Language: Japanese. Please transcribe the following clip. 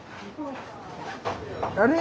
あれ？